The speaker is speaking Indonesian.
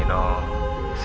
kenapa saya bakal abese